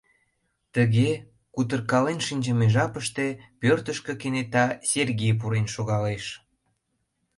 Тыге кутыркален шинчыме жапыште пӧртышкӧ кенета Сергей пурен шогалеш.